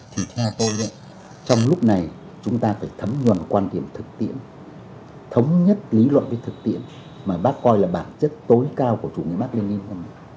thì theo tôi trong lúc này chúng ta phải thấm nhuận quan điểm thực tiễn thống nhất lý luận với thực tiễn mà bác coi là bản chất tối cao của chủ nghĩa bác linh yên